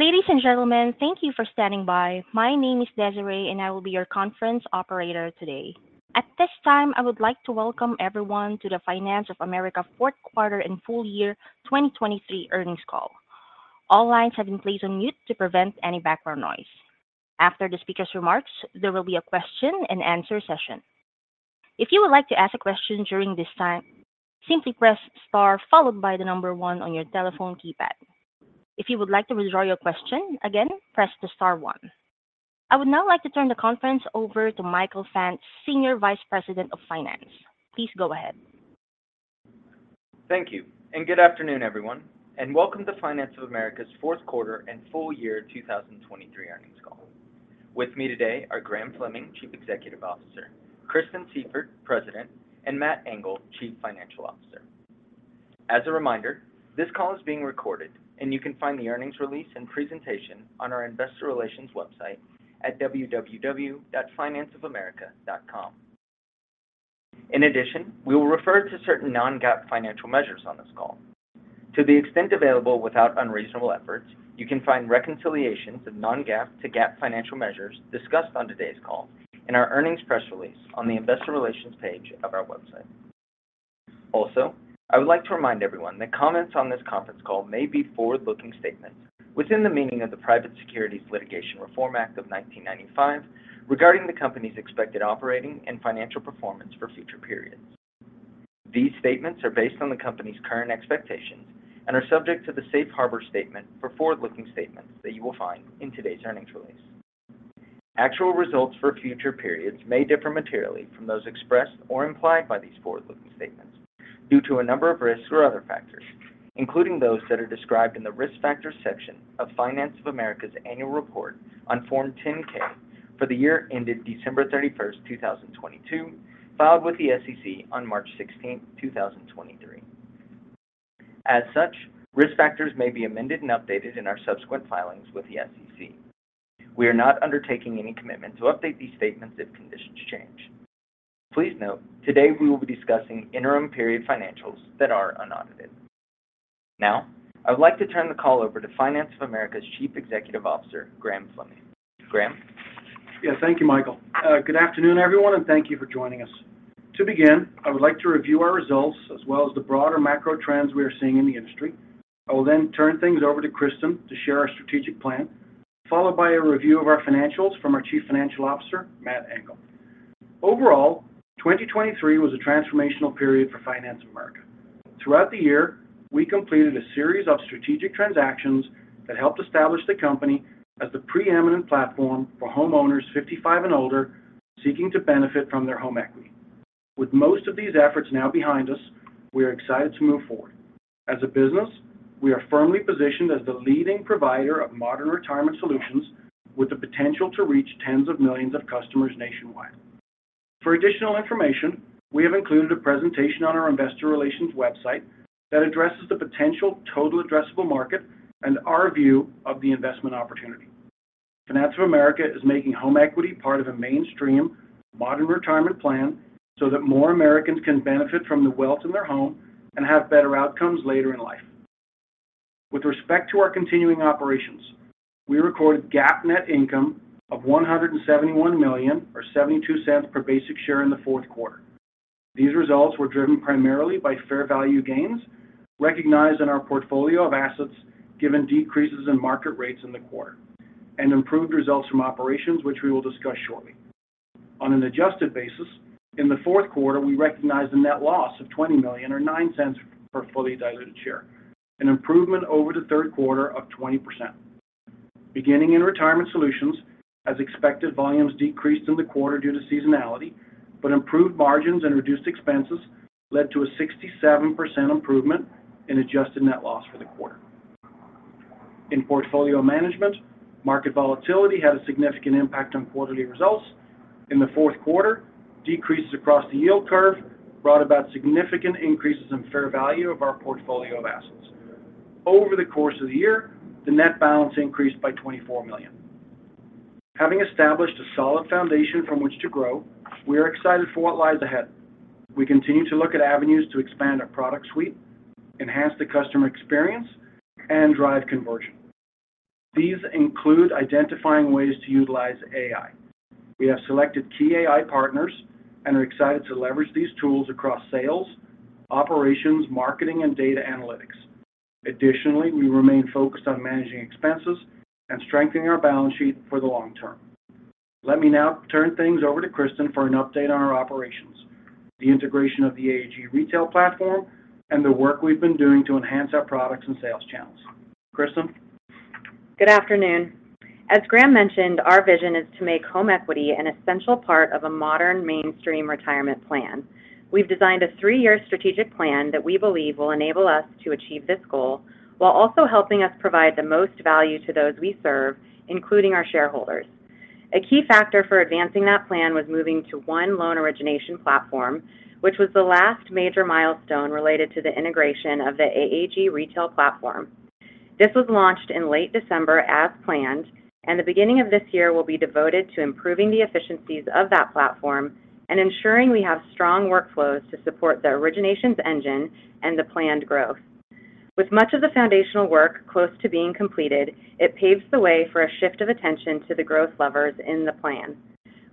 Ladies and gentlemen, thank you for standing by. My name is Desiree, and I will be your conference operator today. At this time, I would like to welcome everyone to the Finance of America Fourth Quarter and Full Year 2023 Earnings Call. All lines have been placed on mute to prevent any background noise. After the speaker's remarks, there will be a question and answer session. If you would like to ask a question during this time, simply press star followed by the number one on your telephone keypad. If you would like to withdraw your question, again, press the star one. I would now like to turn the conference over to Michael Fant, Senior Vice President of Finance. Please go ahead. Thank you, and good afternoon, everyone, and welcome to Finance of America's Fourth Quarter and Full Year 2023 Earnings Call. With me today are Graham Fleming, Chief Executive Officer; Kristen Sieffert, President; and Matt Engel, Chief Financial Officer. As a reminder, this call is being recorded, and you can find the earnings release and presentation on our investor relations website at www.financeofamerica.com. In addition, we will refer to certain non-GAAP financial measures on this call. To the extent available without unreasonable efforts, you can find reconciliations of non-GAAP to GAAP financial measures discussed on today's call in our earnings press release on the investor relations page of our website. Also, I would like to remind everyone that comments on this conference call may be forward-looking statements within the meaning of the Private Securities Litigation Reform Act of 1995 regarding the company's expected operating and financial performance for future periods. These statements are based on the company's current expectations and are subject to the safe harbor statement for forward-looking statements that you will find in today's earnings release. Actual results for future periods may differ materially from those expressed or implied by these forward-looking statements due to a number of risks or other factors, including those that are described in the risk factors section of Finance of America's annual report on Form 10-K for the year ended December 31st, 2022, filed with the SEC on March 16th, 2023. As such, risk factors may be amended and updated in our subsequent filings with the SEC. We are not undertaking any commitment to update these statements if conditions change. Please note, today we will be discussing interim period financials that are unaudited. Now, I would like to turn the call over to Finance of America's Chief Executive Officer, Graham Fleming. Graham? Yeah, thank you, Michael. Good afternoon, everyone, and thank you for joining us. To begin, I would like to review our results as well as the broader macro trends we are seeing in the industry. I will then turn things over to Kristen to share our strategic plan, followed by a review of our financials from our Chief Financial Officer, Matt Engel. Overall, 2023 was a transformational period for Finance of America. Throughout the year, we completed a series of strategic transactions that helped establish the company as the preeminent platform for homeowners 55 and older seeking to benefit from their home equity. With most of these efforts now behind us, we are excited to move forward. As a business, we are firmly positioned as the leading provider of modern retirement solutions with the potential to reach tens of millions of customers nationwide. For additional information, we have included a presentation on our investor relations website that addresses the potential total addressable market and our view of the investment opportunity. Finance of America is making home equity part of a mainstream modern retirement plan so that more Americans can benefit from the wealth in their home and have better outcomes later in life. With respect to our continuing operations, we recorded GAAP net income of $171 million or $0.72 per basic share in the fourth quarter. These results were driven primarily by fair value gains recognized in our portfolio of assets given decreases in market rates in the quarter and improved results from operations, which we will discuss shortly. On an adjusted basis, in the fourth quarter, we recognized a net loss of $20 million or $0.09 per fully diluted share, an improvement over the third quarter of 20%. Beginning in retirement solutions, as expected, volumes decreased in the quarter due to seasonality, but improved margins and reduced expenses led to a 67% improvement in adjusted net loss for the quarter. In portfolio management, market volatility had a significant impact on quarterly results. In the fourth quarter, decreases across the yield curve brought about significant increases in fair value of our portfolio of assets. Over the course of the year, the net balance increased by $24 million. Having established a solid foundation from which to grow, we are excited for what lies ahead. We continue to look at avenues to expand our product suite, enhance the customer experience, and drive conversion. These include identifying ways to utilize AI. We have selected key AI partners and are excited to leverage these tools across sales, operations, marketing, and data analytics. Additionally, we remain focused on managing expenses and strengthening our balance sheet for the long term. Let me now turn things over to Kristen for an update on our operations, the integration of the AAG retail platform, and the work we've been doing to enhance our products and sales channels. Kristen? Good afternoon. As Graham mentioned, our vision is to make home equity an essential part of a modern mainstream retirement plan. We've designed a three-year strategic plan that we believe will enable us to achieve this goal while also helping us provide the most value to those we serve, including our shareholders. A key factor for advancing that plan was moving to one loan origination platform, which was the last major milestone related to the integration of the AAG retail platform. This was launched in late December as planned, and the beginning of this year will be devoted to improving the efficiencies of that platform and ensuring we have strong workflows to support the originations engine and the planned growth. With much of the foundational work close to being completed, it paves the way for a shift of attention to the growth levers in the plan.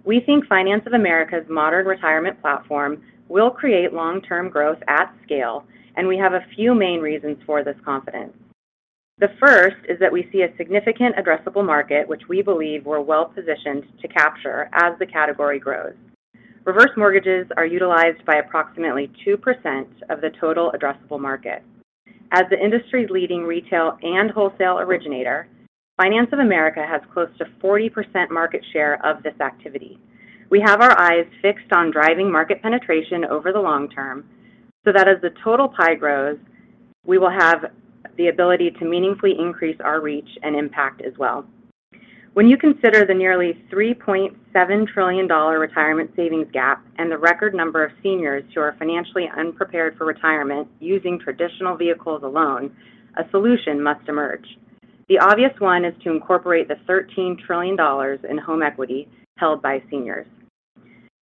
We think Finance of America's modern retirement platform will create long-term growth at scale, and we have a few main reasons for this confidence. The first is that we see a significant addressable market, which we believe we're well positioned to capture as the category grows. Reverse mortgages are utilized by approximately 2% of the total addressable market. As the industry's leading retail and wholesale originator, Finance of America has close to 40% market share of this activity. We have our eyes fixed on driving market penetration over the long term so that as the total pie grows, we will have the ability to meaningfully increase our reach and impact as well. When you consider the nearly $3.7 trillion retirement savings gap and the record number of seniors who are financially unprepared for retirement using traditional vehicles alone, a solution must emerge. The obvious one is to incorporate the $13 trillion in home equity held by seniors.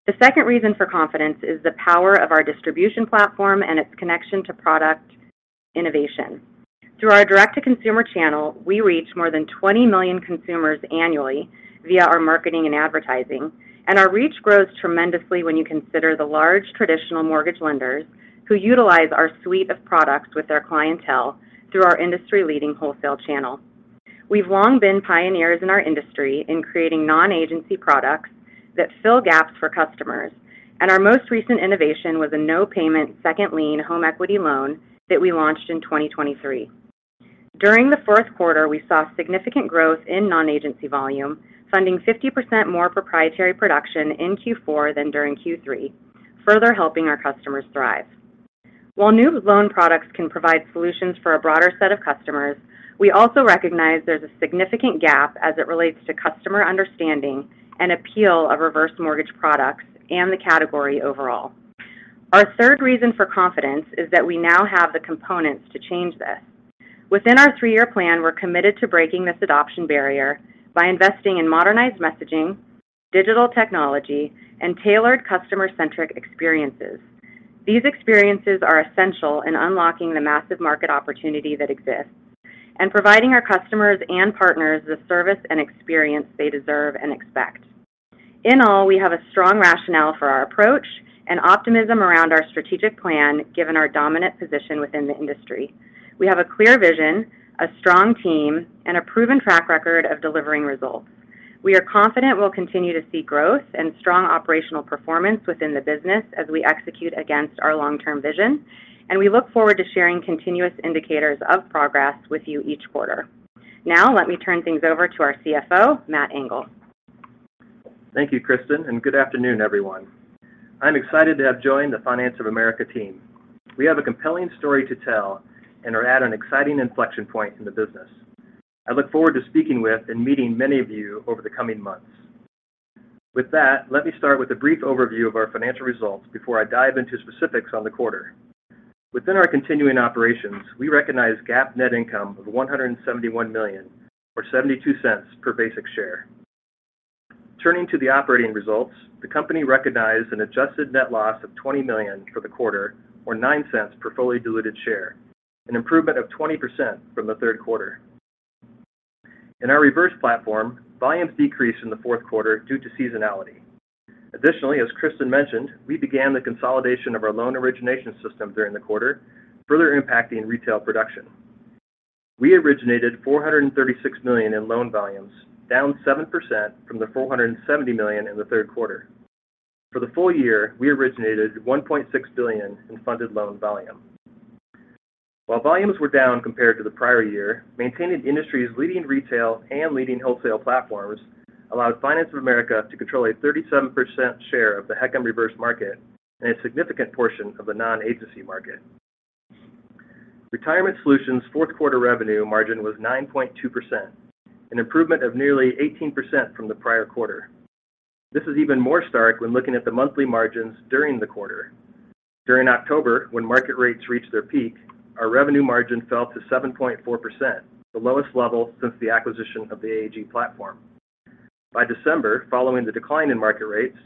The second reason for confidence is the power of our distribution platform and its connection to product innovation. Through our direct-to-consumer channel, we reach more than 20 million consumers annually via our marketing and advertising, and our reach grows tremendously when you consider the large traditional mortgage lenders who utilize our suite of products with their clientele through our industry-leading wholesale channel. We've long been pioneers in our industry in creating non-agency products that fill gaps for customers, and our most recent innovation was a no-payment second lien home equity loan that we launched in 2023. During the fourth quarter, we saw significant growth in non-agency volume, funding 50% more proprietary production in Q4 than during Q3, further helping our customers thrive. While new loan products can provide solutions for a broader set of customers, we also recognize there's a significant gap as it relates to customer understanding and appeal of reverse mortgage products and the category overall. Our third reason for confidence is that we now have the components to change this. Within our three-year plan, we're committed to breaking this adoption barrier by investing in modernized messaging, digital technology, and tailored customer-centric experiences. These experiences are essential in unlocking the massive market opportunity that exists and providing our customers and partners the service and experience they deserve and expect. In all, we have a strong rationale for our approach and optimism around our strategic plan given our dominant position within the industry. We have a clear vision, a strong team, and a proven track record of delivering results. We are confident we'll continue to see growth and strong operational performance within the business as we execute against our long-term vision, and we look forward to sharing continuous indicators of progress with you each quarter. Now, let me turn things over to our CFO, Matt Engel. Thank you, Kristen, and good afternoon, everyone. I'm excited to have joined the Finance of America team. We have a compelling story to tell and are at an exciting inflection point in the business. I look forward to speaking with and meeting many of you over the coming months. With that, let me start with a brief overview of our financial results before I dive into specifics on the quarter. Within our continuing operations, we recognize GAAP net income of $171 million or $0.72 per basic share. Turning to the operating results, the company recognized an adjusted net loss of $20 million for the quarter or $0.09 per fully diluted share, an improvement of 20% from the third quarter. In our reverse platform, volumes decreased in the fourth quarter due to seasonality. Additionally, as Kristen mentioned, we began the consolidation of our loan origination system during the quarter, further impacting retail production. We originated $436 million in loan volumes, down 7% from the $470 million in the third quarter. For the full year, we originated $1.6 billion in funded loan volume. While volumes were down compared to the prior year, maintaining industry's leading retail and leading wholesale platforms allowed Finance of America to control a 37% share of the HECM reverse market and a significant portion of the non-agency market. Retirement solutions' fourth quarter revenue margin was 9.2%, an improvement of nearly 18% from the prior quarter. This is even more stark when looking at the monthly margins during the quarter. During October, when market rates reached their peak, our revenue margin fell to 7.4%, the lowest level since the acquisition of the AAG platform. By December, following the decline in market rates,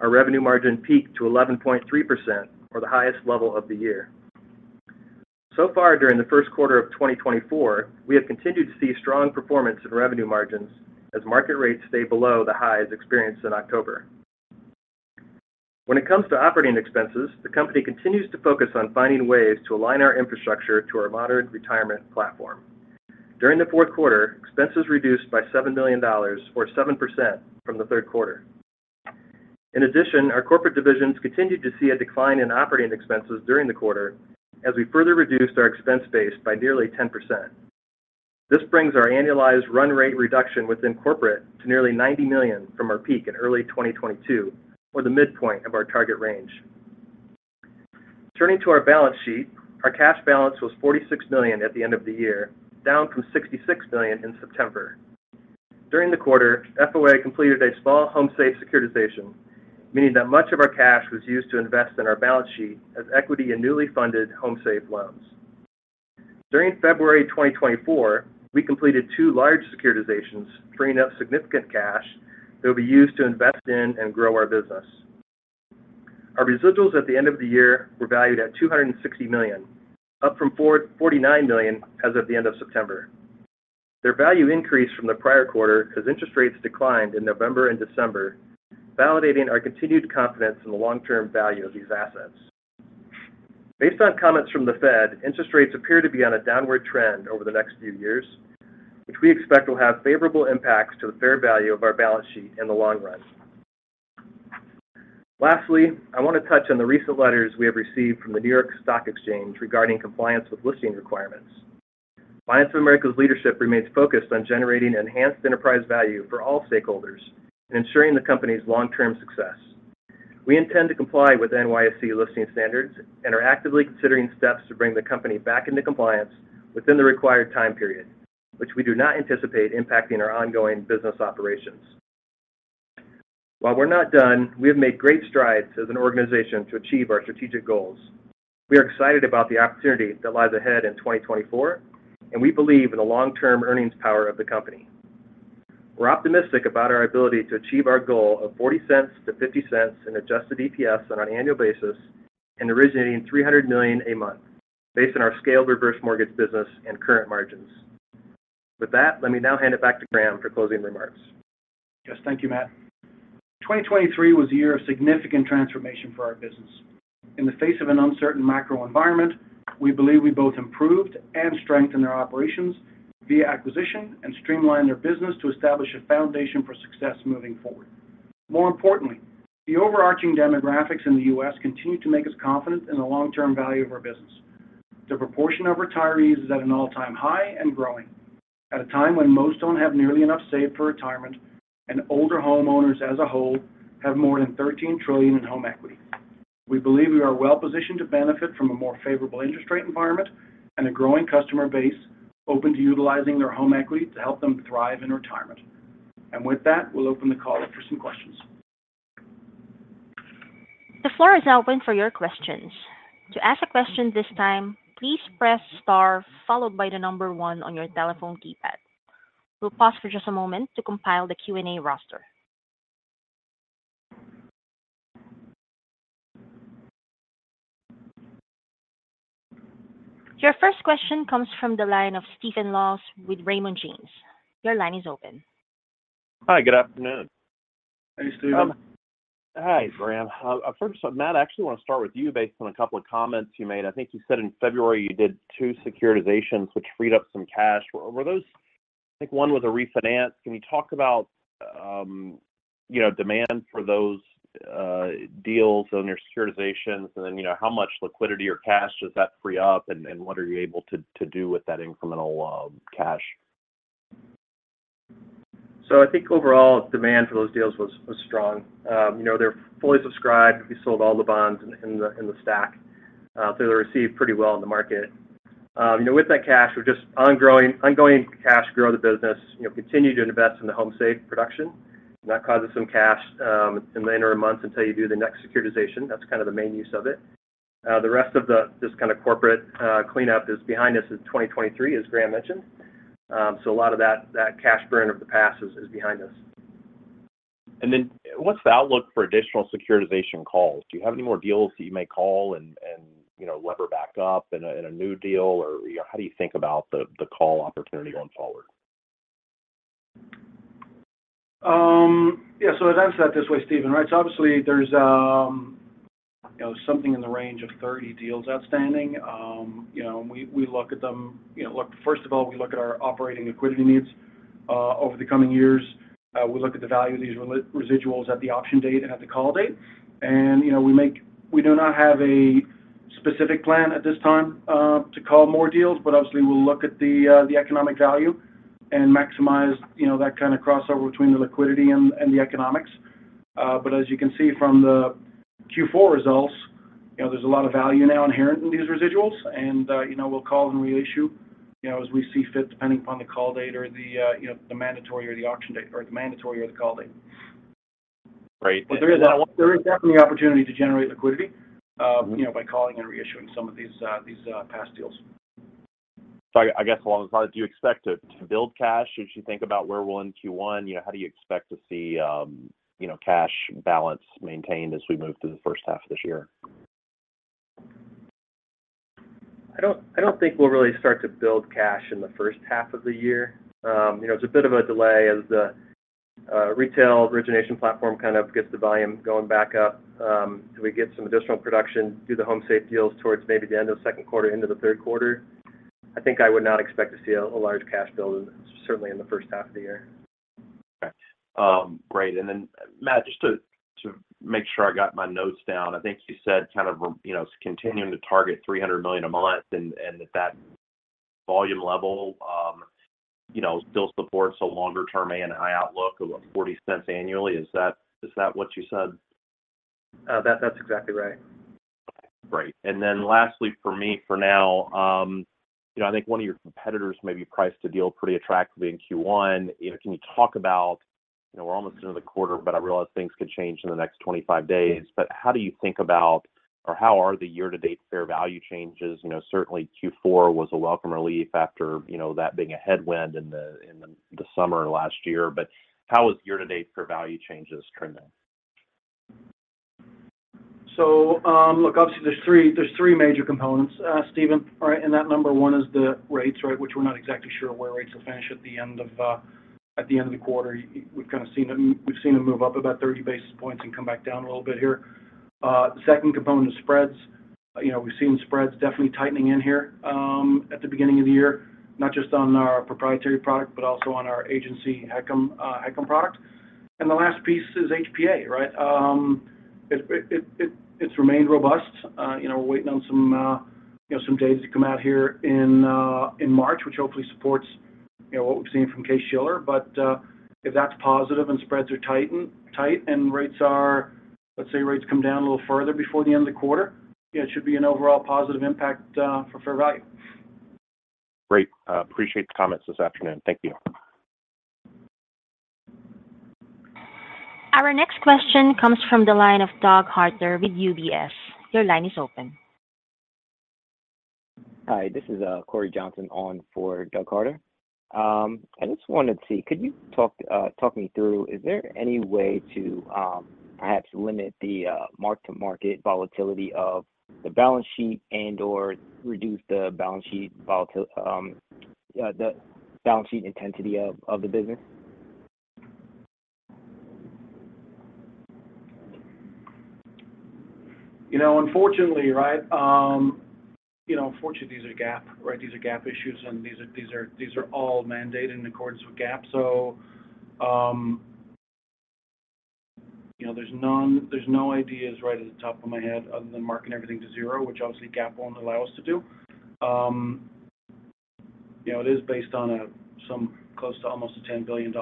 our revenue margin peaked to 11.3%, or the highest level of the year. So far during the first quarter of 2024, we have continued to see strong performance in revenue margins as market rates stay below the highs experienced in October. When it comes to operating expenses, the company continues to focus on finding ways to align our infrastructure to our modern retirement platform. During the fourth quarter, expenses reduced by $7 million or 7% from the third quarter. In addition, our corporate divisions continued to see a decline in operating expenses during the quarter as we further reduced our expense base by nearly 10%. This brings our annualized run rate reduction within corporate to nearly $90 million from our peak in early 2022, or the midpoint of our target range. Turning to our balance sheet, our cash balance was $46 million at the end of the year, down from $66 million in September. During the quarter, FOA completed a small HomeSafe securitization, meaning that much of our cash was used to invest in our balance sheet as equity in newly funded HomeSafe loans. During February 2024, we completed two large securitizations, freeing up significant cash that will be used to invest in and grow our business. Our residuals at the end of the year were valued at $260 million, up from $49 million as of the end of September. Their value increased from the prior quarter as interest rates declined in November and December, validating our continued confidence in the long-term value of these assets. Based on comments from the Fed, interest rates appear to be on a downward trend over the next few years, which we expect will have favorable impacts to the fair value of our balance sheet in the long run. Lastly, I want to touch on the recent letters we have received from the New York Stock Exchange regarding compliance with listing requirements. Finance of America's leadership remains focused on generating enhanced enterprise value for all stakeholders and ensuring the company's long-term success. We intend to comply with NYSE listing standards and are actively considering steps to bring the company back into compliance within the required time period, which we do not anticipate impacting our ongoing business operations. While we're not done, we have made great strides as an organization to achieve our strategic goals. We are excited about the opportunity that lies ahead in 2024, and we believe in the long-term earnings power of the company. We're optimistic about our ability to achieve our goal of $0.40-$0.50 in adjusted EPS on an annual basis and originating $300 million a month based on our scaled reverse mortgage business and current margins. With that, let me now hand it back to Graham for closing remarks. Yes, thank you, Matt. 2023 was a year of significant transformation for our business. In the face of an uncertain macro environment, we believe we both improved and strengthened our operations via acquisition and streamlined our business to establish a foundation for success moving forward. More importantly, the overarching demographics in the U.S. continue to make us confident in the long-term value of our business. The proportion of retirees is at an all-time high and growing, at a time when most don't have nearly enough saved for retirement and older homeowners as a whole have more than $13 trillion in home equity. We believe we are well positioned to benefit from a more favorable interest rate environment and a growing customer base open to utilizing their home equity to help them thrive in retirement. With that, we'll open the call up for some questions. The floor is open for your questions. To ask a question this time, please press star followed by the number one on your telephone keypad. We'll pause for just a moment to compile the Q&A roster. Your first question comes from the line of Stephen Laws with Raymond James. Your line is open. Hi, good afternoon. Hey, Stephen. Hi, Graham. First, Matt, I actually want to start with you based on a couple of comments you made. I think you said in February you did two securitizations, which freed up some cash. I think one was a refinance. Can you talk about demand for those deals on your securitizations, and then how much liquidity or cash does that free up, and what are you able to do with that incremental cash? So I think overall, demand for those deals was strong. They're fully subscribed. We sold all the bonds in the stack. They were received pretty well in the market. With that cash, we're just ongoing cash grow the business, continue to invest in the HomeSafe production. That causes some cash in the interim months until you do the next securitization. That's kind of the main use of it. The rest of this kind of corporate cleanup is behind us in 2023, as Graham mentioned. So a lot of that cash burn of the past is behind us. And then what's the outlook for additional securitization calls? Do you have any more deals that you may call and lever back up in a new deal, or how do you think about the call opportunity going forward? Yeah, so I'd answer that this way, Stephen, right? So obviously, there's something in the range of 30 deals outstanding. We look at them first of all; we look at our operating equity needs over the coming years. We look at the value of these residuals at the option date and at the call date. And we do not have a specific plan at this time to call more deals, but obviously, we'll look at the economic value and maximize that kind of crossover between the liquidity and the economics. But as you can see from the Q4 results, there's a lot of value now inherent in these residuals, and we'll call and reissue as we see fit depending upon the call date or the mandatory or the option date or the mandatory or the call date. Right. And. But there is definitely opportunity to generate liquidity by calling and reissuing some of these past deals. I guess along the lines, do you expect to build cash? As you think about where we're in Q1, how do you expect to see cash balance maintained as we move through the first half of this year? I don't think we'll really start to build cash in the first half of the year. It's a bit of a delay as the retail origination platform kind of gets the volume going back up. Do we get some additional production through the HomeSafe deals towards maybe the end of the second quarter, into the third quarter? I think I would not expect to see a large cash build, certainly in the first half of the year. Okay. Great. And then, Matt, just to make sure I got my notes down, I think you said kind of continuing to target $300 million a month and that that volume level still supports a longer-term ANI outlook of $0.40 annually. Is that what you said? That's exactly right. Okay. Great. And then lastly, for me, for now, I think one of your competitors may be priced a deal pretty attractively in Q1. Can you talk about we're almost into the quarter, but I realize things could change in the next 25 days? But how do you think about or how are the year-to-date fair value changes? Certainly, Q4 was a welcome relief after that being a headwind in the summer last year. But how is year-to-date fair value changes trending? So look, obviously, there's three major components, Stephen, right? And that number one is the rates, right, which we're not exactly sure where rates will finish at the end of the quarter. We've kind of seen them move up about 30 basis points and come back down a little bit here. The second component is spreads. We've seen spreads definitely tightening in here at the beginning of the year, not just on our proprietary product but also on our agency HECM product. And the last piece is HPA, right? It's remained robust. We're waiting on some data to come out here in March, which hopefully supports what we've seen from Case-Shiller. But if that's positive and spreads are tight and rates are let's say rates come down a little further before the end of the quarter, it should be an overall positive impact for fair value. Great. Appreciate the comments this afternoon. Thank you. Our next question comes from the line of Doug Harter with UBS. Your line is open. Hi. This is Cory Johnson on for Doug Harter. I just wanted to see, could you talk me through, is there any way to perhaps limit the mark-to-market volatility of the balance sheet and/or reduce the balance sheet intensity of the business? Unfortunately, right? Unfortunately, these are GAAP, right? These are GAAP issues, and these are all mandated in accordance with GAAP. So there's no ideas right at the top of my head other than marking everything to zero, which obviously GAAP won't allow us to do. It is based on some close to almost a $10 billion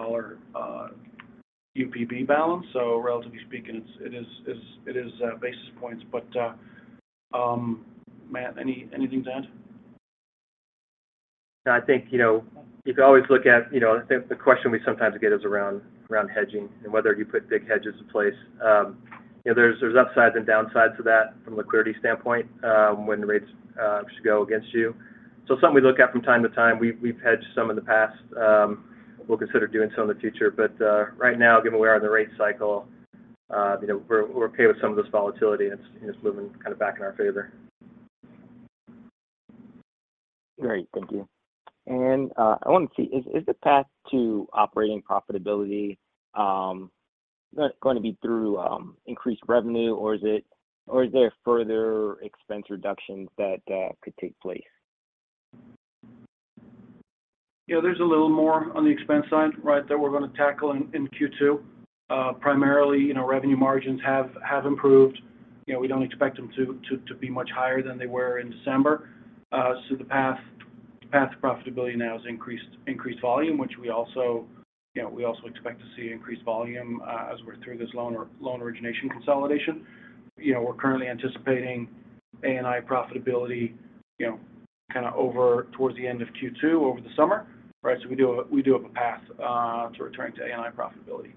UPB balance. So relatively speaking, it is basis points. But Matt, anything to add? I think you could always look at the question we sometimes get is around hedging and whether you put big hedges in place. There's upsides and downsides to that from a liquidity standpoint when rates should go against you. So something we look at from time to time. We've hedged some in the past. We'll consider doing so in the future. But right now, given where we are in the rate cycle, we're okay with some of this volatility. It's moving kind of back in our favor. Great. Thank you. I want to see, is the path to operating profitability going to be through increased revenue, or is there further expense reductions that could take place? There's a little more on the expense side, right, that we're going to tackle in Q2. Primarily, revenue margins have improved. We don't expect them to be much higher than they were in December. So the path to profitability now is increased volume, which we also expect to see increased volume as we're through this loan origination consolidation. We're currently anticipating ANI profitability kind of over towards the end of Q2, over the summer, right? So we do have a path to returning to AI profitability.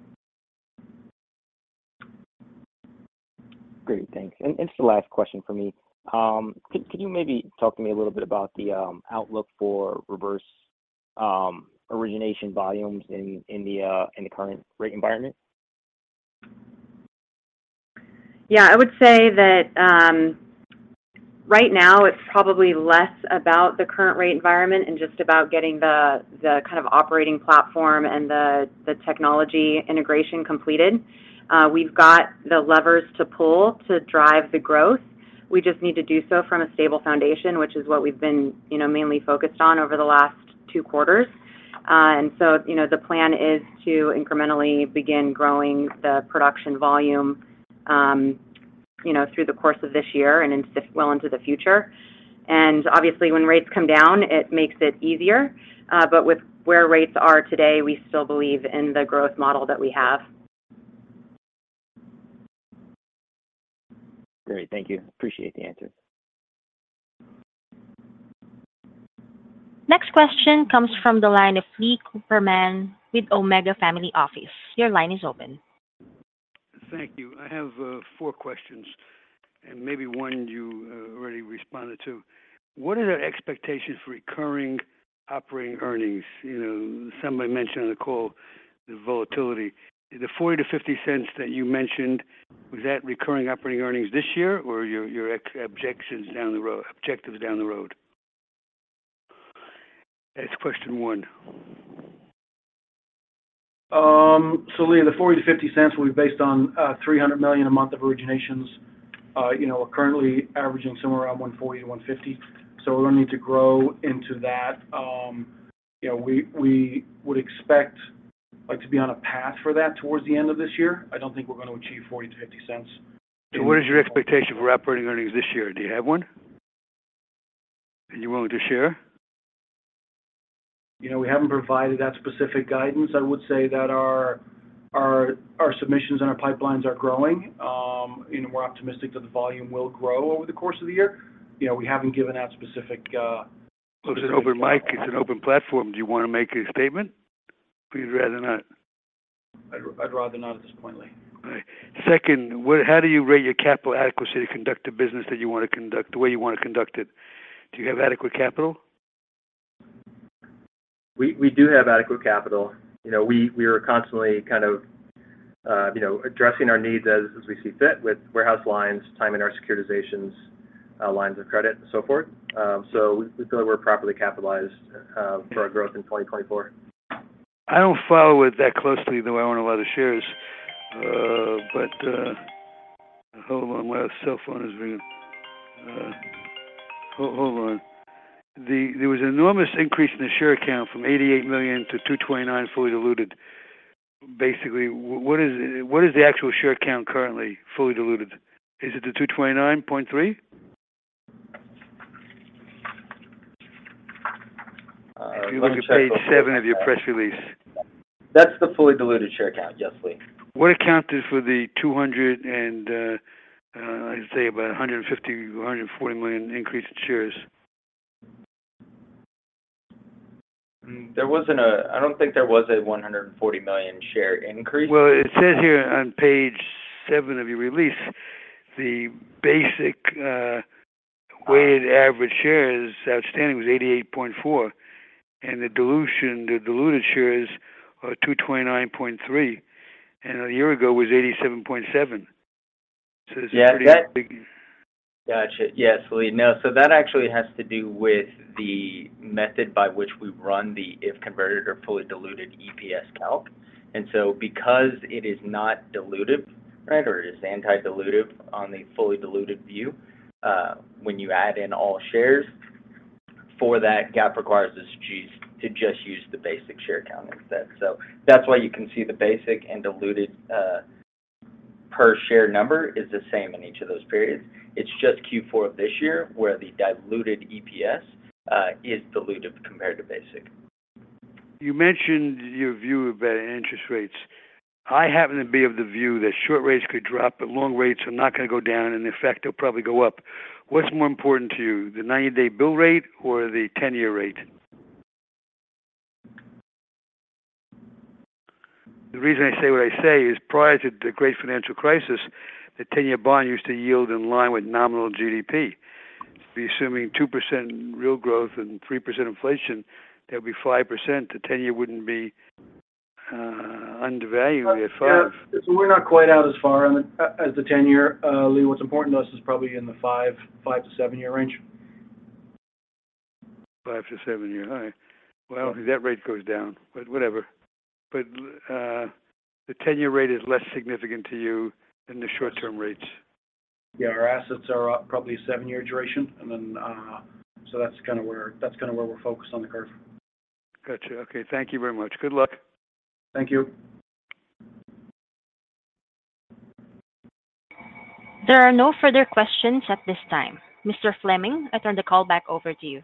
Great. Thanks. Just the last question for me, could you maybe talk to me a little bit about the outlook for reverse origination volumes in the current rate environment? Yeah. I would say that right now, it's probably less about the current rate environment and just about getting the kind of operating platform and the technology integration completed. We've got the levers to pull to drive the growth. We just need to do so from a stable foundation, which is what we've been mainly focused on over the last two quarters. And so the plan is to incrementally begin growing the production volume through the course of this year and well into the future. And obviously, when rates come down, it makes it easier. But with where rates are today, we still believe in the growth model that we have. Great. Thank you. Appreciate the answers. Next question comes from the line of Lee Cooperman with Omega Family Office. Your line is open. Thank you. I have four questions, and maybe one you already responded to. What are the expectations for recurring operating earnings? Somebody mentioned on the call the volatility. The $0.40-$0.50 that you mentioned, was that recurring operating earnings this year or your objectives down the road? That's question one. Lee, the $0.40-$0.50 will be based on $300 million a month of originations. We're currently averaging somewhere around $140-$150. So we're going to need to grow into that. We would expect to be on a path for that towards the end of this year. I don't think we're going to achieve $0.40-$0.50. What is your expectation for operating earnings this year? Do you have one? You're willing to share? We haven't provided that specific guidance. I would say that our submissions and our pipelines are growing. We're optimistic that the volume will grow over the course of the year. We haven't given out specific. It's an open platform. Do you want to make a statement, or would you rather not? I'd rather not at this point, Lee. All right. Second, how do you rate your capital adequacy to conduct the business that you want to conduct, the way you want to conduct it? Do you have adequate capital? We do have adequate capital. We are constantly kind of addressing our needs as we see fit with warehouse lines, timing our securitizations, lines of credit, and so forth. So we feel that we're properly capitalized for our growth in 2024. I don't follow it that closely, though. I won't allow the shares. But hold on. My cell phone is ringing. Hold on. There was an enormous increase in the share count from 88 million to 229 fully diluted. Basically, what is the actual share count currently fully diluted? Is it the 229.3? If you look at page seven of your press release. That's the fully diluted share count, yes, Lee. What account is for the $200 million and, I'd say, about $140 million increase in shares? I don't think there was a 140 million share increase. Well, it says here on page seven of your release, the basic weighted average shares outstanding was 88.4, and the diluted shares are 229.3. And a year ago, it was 87.7. So this is pretty big. Gotcha. Yes, Lee. No. So that actually has to do with the method by which we run the if converted or fully diluted EPS calc. And so because it is not diluted, right, or it is anti-dilutive on the fully diluted view, when you add in all shares, for that, GAAP requires us to just use the basic share count instead. So that's why you can see the basic and diluted per share number is the same in each of those periods. It's just Q4 of this year where the diluted EPS is diluted compared to basic. You mentioned your view about interest rates. I happen to be of the view that short rates could drop, but long rates are not going to go down, and in effect, they'll probably go up. What's more important to you, the 90-day bill rate or the 10-year rate? The reason I say what I say is prior to the Great Financial Crisis, the 10-year bond used to yield in line with nominal GDP. To be assuming 2% real growth and 3% inflation, that would be 5%. The 10-year wouldn't be undervalued. We had five. Yeah. So we're not quite out as far as the 10-year. Lee, what's important to us is probably in the five to seven-year range. Five to seven year. All right. Well, I don't think that rate goes down. Whatever. But the 10-year rate is less significant to you than the short-term rates. Yeah. Our assets are probably a seven-year duration. And then so that's kind of where we're focused on the curve. Gotcha. Okay. Thank you very much. Good luck. Thank you. There are no further questions at this time. Mr. Fleming, I turn the call back over to you.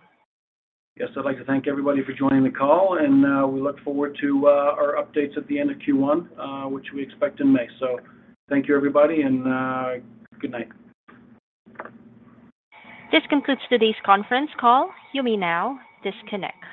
Yes. I'd like to thank everybody for joining the call, and we look forward to our updates at the end of Q1, which we expect in May. So thank you, everybody, and good night. This concludes today's conference call. You may now disconnect.